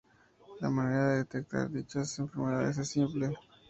La manera de detectar dichas enfermedades es simple.